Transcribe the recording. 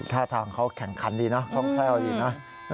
ท่าทางเขาแข็งคันดีนะแค่เอาดีนะ